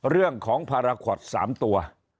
เรื่องของภาระขวด๓ตัว